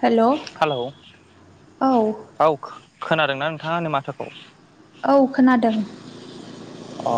हेल' औ हेलौ औ खोनादों न नोंथाङाो माथोखौ औ खोनादों अ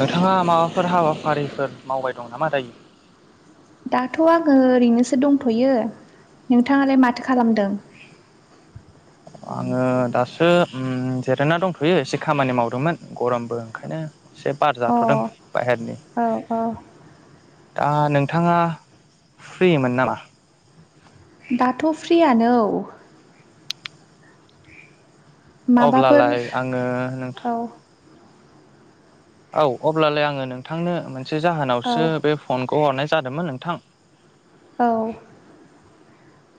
नोंथाङा माबाफोर हाबाफारिफोर मावबाय दं नामा दायो दाथ' आङो ओरैनोसो दंथ'यो नोंथाङालाय माथो खालामदों आङो दासो जेरना दंथ'यो एसे खामानि मावदोंमोन गरमबो ओंखायनो एसे बार अ जाथदों बाहेरनि औ औ दा नोंथाङा फ्रिमोन नामा दाथ' फ्रियनो माबाफोर अब्लालाय आङो नोंथां औ औ अब्लालाय आङो नोंथांनो मोनसे औ जाहोनावसो बे फन खौ हरनाय जादोंमोन नोंथां औ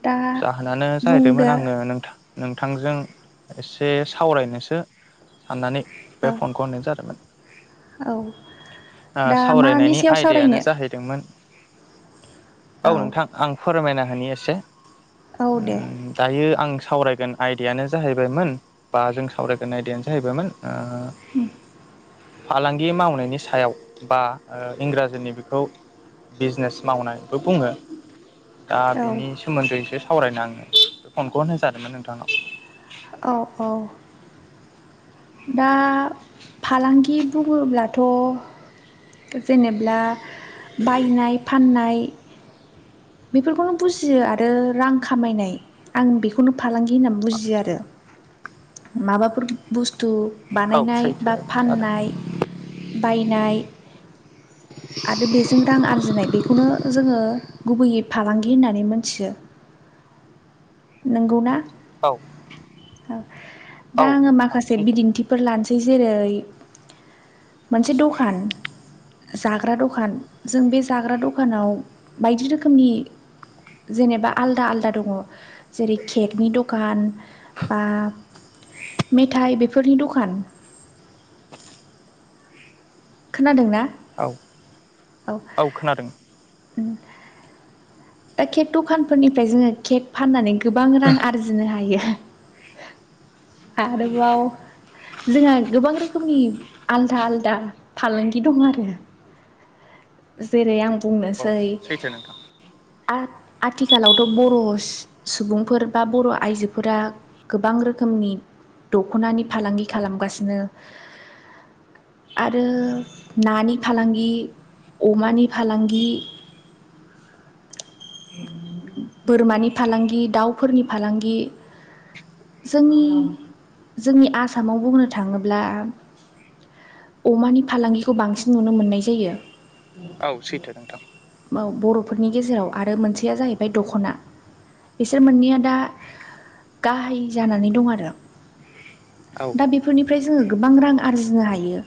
दा जाहोनानो जाहैदोंमोन बुंदो आङो नोंथां नोंथांजों एसे सावरायनोसो साननानै बे औ फनखौ होननाय जादोंमोन औ दा मानि सावरायनायनि सायाव सावरायनो आयदायानो जाहैदोंमोन औ नोंथां आं फोरमायना होनि एसे औ दे दायो आं सावरायगोन आयदायानो जाहैबायमोन बा जों सावरायगोन आयदायानो जाहैबायमोन ओ फालांगि मावनायनि सायाव बा इंराजिनि बेखौ बिजनेस मावनायबो बुङो दा औ बिनि सोमोन्दैसो सावरायनो आङो बे फनखौनो होजादोंमोन नोंथांनाव औ औ दा फालांगि बुङोब्लाथ' जेनेब्ला बायनाय फाननाय बेफोरखौनो बुजियो आरो रां खामायनाय आं बेखौनो फालांगि होननानै बुजियो आरो माबाफोर बुस्थु बुस्थु औ बानायनाय सैथो बा जादों फाननाय बायनाय आरो बेजों रां आरजिनाय बेखौनो जोङो गुबैयै फालांगि होननानै मोनथि नोंगौना औ दा औ आङो नोंथां माखासे सैथो बिदिन्थिफोर लानोसै जेरै मोनसे दखान जाग्रा दखान जों बे जाग्रा दखानाव बायदि रोखोमनि जेनेबा आलदा आलदा दङ जेरै केकनि दखान बा मेथाइ बेफोरनि दखान [inaudible] खोनादों ना औ औ खोनादों दा केक दखानफोरनिफ्राय जोङो केक फाननानै गोबां रां आरजिनो हायो [inaudible] आरोब जोंहा गोबां रोखोमनि आलदा आलदा फालांगि दं आरो जेरै आं औ बुंनोसै सैथो नोंथां आथिखालावथ' बर' सुबुंफोर बा बर' आइजोफोरा गोबां गोबां रोखोमनि दख'नानि फालांगि खालामगासिनो [inaudible] आरो नानि फालांगि अमानि फालांगि बोरमानि फालांगि दाउफोरनि फालांगि जोंनि जोंनि आसामाव बुंनो थाङोब्ला अमानि फालांगिखौ बांसिन नुनो मोननाय जायो औ सैथो नोंथां बर'फोरनि गेजेराव आरो मोनसेया जाहैबाय दख'ना बिसोर मोननैया दा गाहाय जानानै दं आरो औ दा बेफोरनिफ्राय जोङो गोबां रां आरजिनो हायो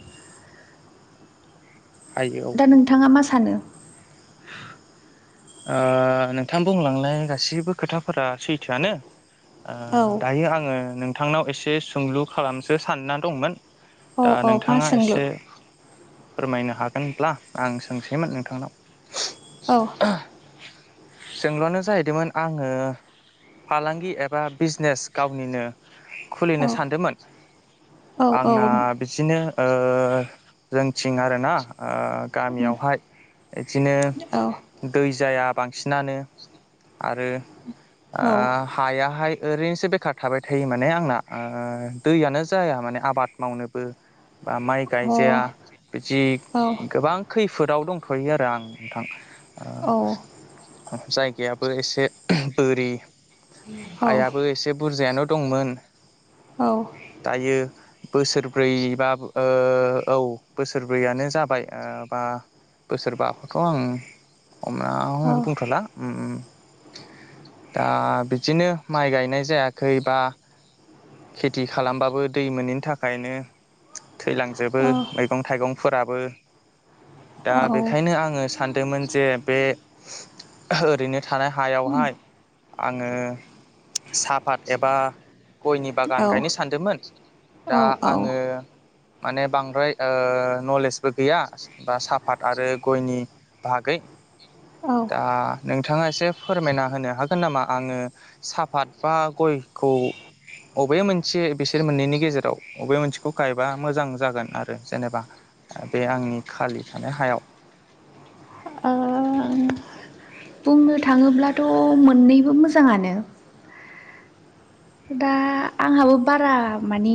हायो औ दा नोंथाङा मा सानो? ओ नोंथां बुंलांनाय गासैबो खोथाफोरा सैथोआनो ओ औ दायो आङो नोंथांनाव एसे सोंलु खालामसो सानना दंमोन औ दा औ मा नोंथाङा सोंलु एसे फोरमायनो हागोनब्ला आं सोंसैमोन नोंथांनाव। औ सोंल'नो जाहैदोंमोन आङो फालांगि एबा बिजनेस गावनिनो औ खुलिनो सानदोंमोन औ औ आंना बिदिनो ओ जोंथिं आर ना।। ओ गामियावहाय इदिनो औ अ दै जाया बांसिनानो आरो ओ औ हायाहाय ओरैनोसो बेखार थाबाय थायो माने आंना ओ दैयानो जाया माने आबाद मावनोबो। बा माइ औ गायजाया बिदि औ गोबां खै फोदाव दंथ'यो आरो आं नोंथां। औ ओ एसे बोरि हायाबो एसे बुरजायानो दंमोन। दायो बोसोरब्रैबा ओ औ बोसोरब्रैयानो जाबाय बा बोसोरबाखौथ' आङो अम औ बुंथ'ला ओम दा बिदिनो माइ गायनाय जाया खैबा खेथि खालामबाबो दै मोनैनि थाखायनो थैलांजोबो मैगं थाइगंफोराबो दा बेखायनो आङो सानदोंमोन जे बे ओरैनो थानाय हायावहाय आङो साहाफात एबा गयनि बागान गायनो सानदोंमोन। औ दा औ आङो माने बांद्राय ओ नलेजबो गैया बा साफात आरो गयनि बागै। औ दा नोंथाङा एसे फोरमायना होनो हागोन नामा? आङो साहाफात बा गयखौ बबे मोनसे बिसोर मोननैनि गेजेराव बबे मोनसेखौ गायबा मोजां जागोन आरो जेनेबा बे आंनि खालि थानाय हायाव ओं बुंनो थाङोब्लाथ' मोननैबो मोजाङानो दा आंहाबो बारा मानि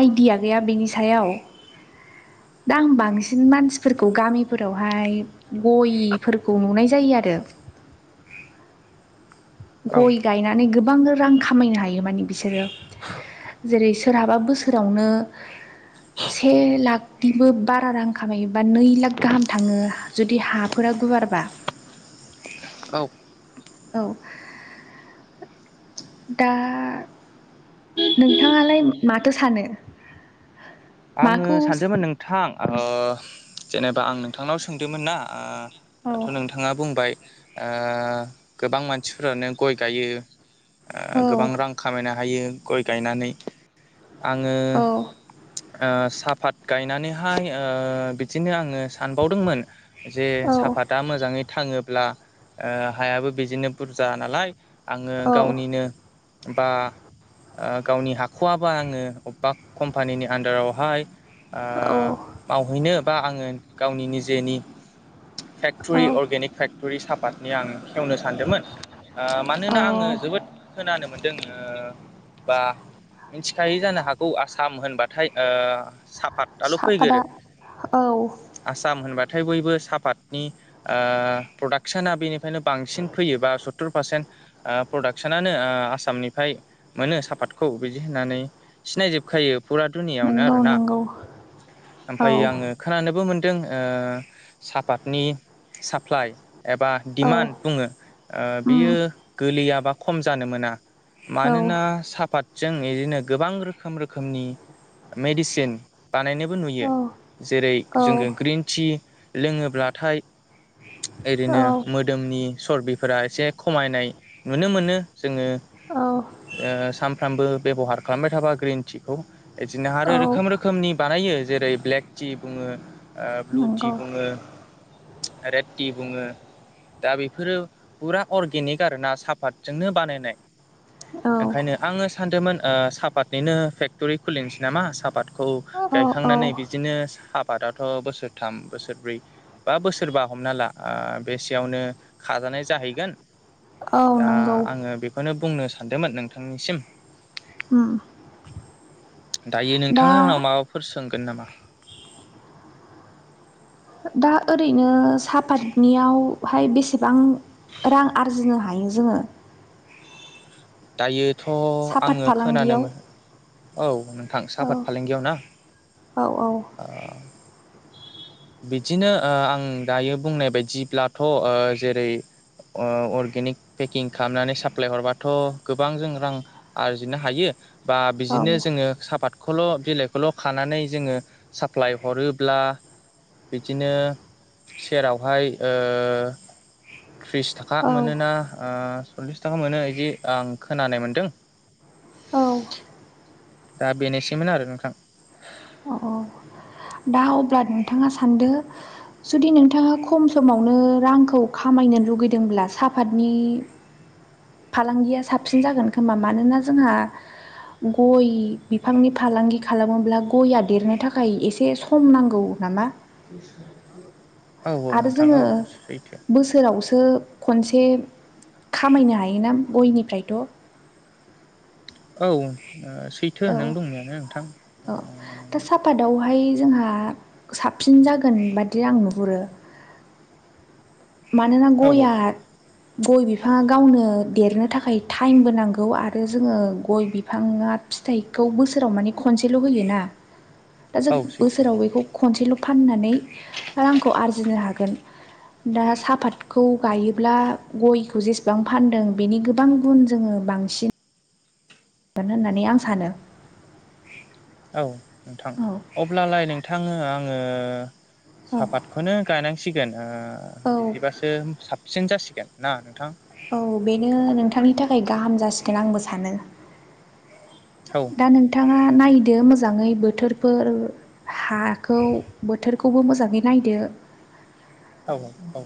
आइडिया गैया बेनि सायाव। [inaudible] दा आं बांसिन मानसिफोरखौ गामिफोरावहाय गयफोरखौ नुनाय जायो आरो [inaudible] औ गय गायनानै गोबां रां खामायनो हायो माने बिसोरो जेरै सोरहाबा बोसोरावनो से लाखनिबो बारा रां खामायोबा नै लाख गाहाम थाङो जुदि हाफोरा गुवारबा। औ। औ। दा नोंथाङालाय माथो सानो? आङो माखौ सानदोंमोन नोंथां जेनेबा आं नोंथांनाव सोंदोंमोन ना ओ। दाथ' औ नोंथाङा बुंबाय। ओ गोबां मानसिफोरानो गय गायो औ गोबां रां खामायना हायो गय गायनानै आङो ओ साहाफात गायनानैहाय ओ बिदिनो आङो सानबावदोंमोन जे औ साफाता मोजाङै थाङोब्ला हायाबो बिदिनो बुरजा नालाय आङो औ गावनिनो बा ओ गावनि हाख'आबा आङो अबेबा कम्पानिनि आन्दारावहाय ओ मावहैनो बा आङो गावनि निजेनि औ फेक्टरि अर्गेनिक फेक्ट'रि सापातनि आं खेवनो सानदोंमोन आ औ मानोना आङो जोबोद खोनानो मोनदों। बा मिथिखायै जानो हागौ आसाम होनबाथाय ओ साव आंलं साफादा फैगोरो औ आसाम होनबा थाय बयबो सापातनि प्रडाक्सना बेनिफ्रायनो बांसिन फैयोबा स यातोर प्रदाक्सनानो आसामनिफ्राय ओ मोनो सापातखौ बिदि होननानै सिनायजोबखायो फुरा दुनियावनो नंगौ आरोना। नंगौ ओमफ्राय औ आङो खोनानोबो मोन ओ सापतनि साप्लाइ एबा औ दिडिमान्ड बुङो बियो उम गोलैयाबा खम जानो मोना। औ मानोना साहापातजों बिदिनो गोबां रोखोम रोखोमनि मेडिसिन बानायनोबो औ नुयो जेरै जोङो ग्रिन टि लोङोब्लाथाय औ ओरैनो मोदोमनि सबिफोरा एसे खमायनाय नुनो मोनो। जोङो औ ओ सानफ्रामबो बेबहार खालामबाय थाबा ग्रिन टिखौ बिदिनो आरो औ रोखोम रोखोमनि बानायो जेरै ब्लेक टि बुङो। ब्लु टि नंगौ बुङो रेड टि बुङो। दा बेफोरो फुरा अरगेनिक आरोना सापातजोंनो बानायनाय। औ ओंखायनो आङो सानदोंमोन सापातनिनो फेक्टरि खुलिनोसै नामा सापात खौ औ औ गायखांनानै बिदिनो साफ फादथ' बोसोरथाम बोसोरब्रै बा बोसोरबा हमना ला बेसेयावनो खा नाय जाहैगोन औ ओ दा नंगौ आङो बेखौनो बुंनो सानदोंमोन नोंथांनिसिम। उम दायो दा नोंथाङा आंनाव माबाफोर सोंगोन नामा? दा ओरैनो साहापातनियावहाय बेसेबां? रां आरजिनो हायो जोङो। दायोथ' सापात आङो खोनानो फालांगियाव औ नोंथां साहा औ आफाद फालांगियाव ना? औ औ बिदिनो ओ आं दायो बुंनाय बायदिब्लाथ' जेरै- ओ अर्गेनिक पेकिं खालामनानै साप्लाय हरबाथ' गोबां जों रां आरजिनो हायो। बा औ बिदिनो जोङो सापाादखौल' बिलाइखौल' खानानै जोङो साप्लाइ हरोब्ला बा बिदिनो सेरावहाय ओ थ्रिस थाखा औ मोनोना सल्लिस थाखा मोनो बिदि आं खोनानाय मोनदों। [inaudible] औ दा बेनोसैमोन आरो नोंथां। औ औ दा अब्ला नोंथाङा सानदों जुदि नोंथाङा खम समावनो रांखौ खामाय फैनो लुगैदोंब्ला साहापातनि फालांगिया साबसिन जागोन खोमा मानोना जोंहा गय बिफांनि फालांगि खालामोब्ला गया देरनो थाखाय एसे सम नांगौ नामा औ आरो नोंथां जोंङो औ सैथो बोसोरावसो खनसे खामायनो हायोना गयनिफ्रायथ औ सैथो नों दंनायानो नोंथां औ ओ दा साहापातावहाय जोंहा साबसिन जागोन बादि आं नुहुरो। मानोना औ औ गयआ गय बिफाङा गावनो देरनो थाखाय टाइमबो नांगौ आरो जोंङो गय बिफाङा फिथाइखौ बोसोराव मानि खम सेल होयो ना। दा जों औ सैथो बोसोराव औ बेखौ खनसेल फाननानै रांखौ आरजिनो हागोन। दा साहापातखौ गायोब्ला गयखौ जेसेबां फानदों बेनि गोबां गुन जोंङो बां सिन गोन होननानै आं सानो औ नोंथां औ अब्लालाय नोंथाङो आंङो औ सापातखौनो गायनांसिगोन ओ औ बिदिबासो साप साबसिन जासिगोन ना नोंथां औ बेनो नोंथांनि थाखाय गाहाम जासिगोन आंबो सानो औ दा नोंथाङा नायदो मोजाङै बोथोरफोर हाखौ बोथोरखौबो मोजाङै नायदो औ औ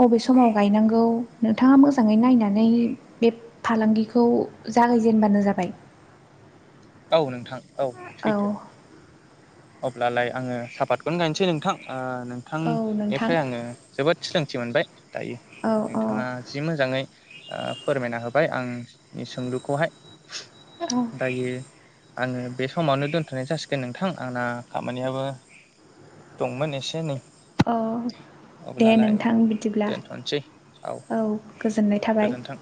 बबे समाव गायनांगौ नोंथाङा मोजाङै नायनानै बे फालांगिखौ जागायजेनबानो जाबाय औ नोंथां औ सैथो अब्लालाय आंङो सापातखौनो गायसै नोंथां औ नोंथां नोंथांनिफ्राय आंङो जोबोद सोलोंथि मोनबाय दायो औ औ नोंथाङा जि मोजाङै फोरमायना होबाय आंनि सोंलुखौहाय औ दायो आंङो बे समावनो दोनथनाय जासिगोन नोंथां आंना खामानियाबो दंमोन एसेनै औ दे नोंथां बिदिब्ला औ गोजोननाय थाबाय गोजोन्थों।